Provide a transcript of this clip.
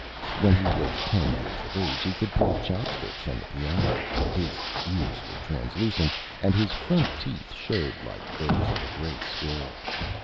When he was Ten Years of age he could play Chop Sticks on the Piano; his Ears were Translucent, and his Front Teeth showed like those of a Gray Squirrel.